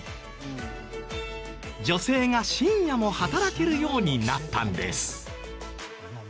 女性が深夜も働けるようになったんです。